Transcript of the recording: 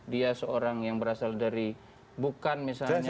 dia seorang yang berasal dari bukan misalnya